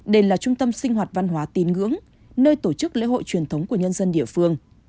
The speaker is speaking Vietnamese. đây là trung tâm sinh hoạt văn hóa tín ngưỡng nơi tổ chức lễ hội truyền thống của nhân dân địa phương